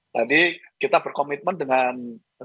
tadi kita berkomitmen dengan